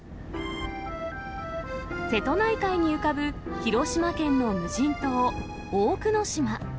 瀬戸内海に浮かぶ広島県の無人島、大久野島。